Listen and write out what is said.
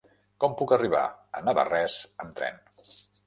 Com puc arribar a Navarrés amb tren?